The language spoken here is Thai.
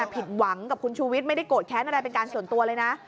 ผิดหวังกับคุณชูวิทย์ไม่ได้โกรธแค้นอะไรเป็นการส่วนตัวเลยนะ